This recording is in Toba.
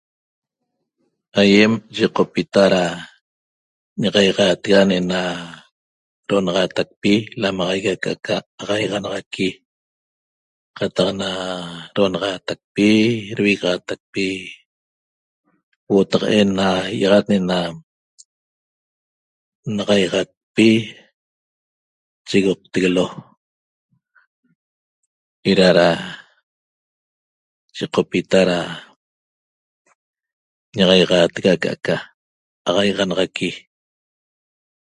Aýem yiqopita da ña'axaixaatega ne'ena do'onaxaatacpi lamaxaigui aca'aca axaixananaqui qataq na do'onaxaatacpi dvigaxaatacpi huo'o taqaen na ýi'axat na n'axaixacpi chigoqteguelo eda da yiqopita da ña'axaixaatega aca'aca axaixanaxaqui